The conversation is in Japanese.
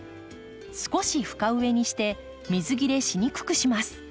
少し深植えにして水切れしにくくします。